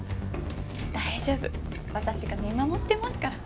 大丈夫私が見守ってますから。